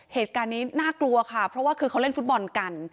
เหตุการณ์นี้น่ากลัวค่ะเพราะว่าคือเขาเล่นฟุตบอลกัน